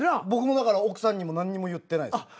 僕もだから奥さんにも何にも言ってないです。